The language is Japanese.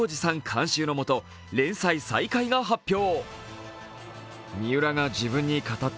監修のもと連載再開が発表。